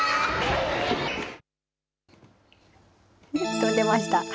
飛んでました。